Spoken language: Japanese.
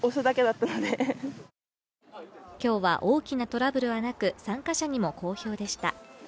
今日は大きなトラブルはなく、参加者にも好評でした。